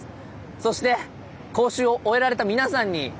そして講習を終えられた皆さんにえ？